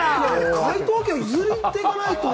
解答権譲っていかないと。